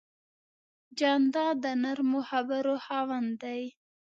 جانداد د نرمو خبرو خاوند دی.